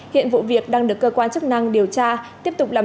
hiện vụ việc đang được cơ quan chức năng điều tra tiếp tục làm rõ